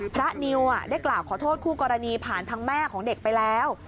นิวได้กล่าวขอโทษคู่กรณีผ่านทางแม่ของเด็กไปแล้ว